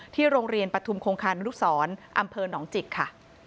ที่โรงเรียนปรัฐทุมโครงคารณ์ลูกศรอำเภอหนองจิกค่ะ